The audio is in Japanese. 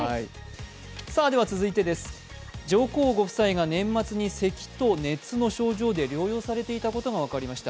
続いて、上皇ご夫妻が年末にせきと熱の症状で療養されていたことが分かりました。